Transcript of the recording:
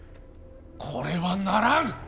これはならん。